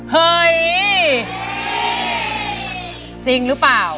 เฮ้ยจริงหรือเปล่า